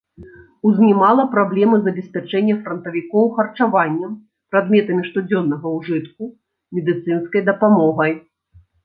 Узнімала праблемы забеспячэння франтавікоў харчаваннем, прадметамі штодзённага ўжытку, медыцынскай дапамогай.